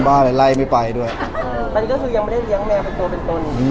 บ้านเลยไล่ไม่ไปด้วยอันนี้ก็คือยังไม่ได้เลี้ยงแมวเป็นตัวเป็นตน